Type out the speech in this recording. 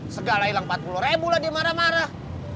segala hilang empat puluh ribu lah dia marah marah